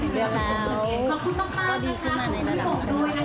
เดี๋ยวแล้วก็ดีขึ้นมาในระดับนั้น